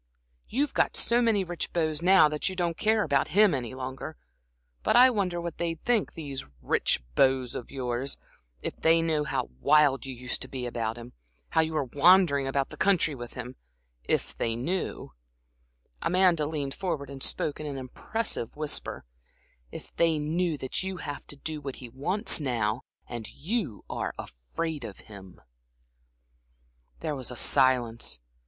You've got so many rich beaux now that you don't care about him any longer. But I wonder what they'd think these rich beaux of yours if they knew how wild you used to be about him, how you went wandering about the country with him, if they knew" Amanda leaned forward and spoke in an impressive whisper "if they knew that you have to do what he wants now, that you're afraid of him." There was a silence.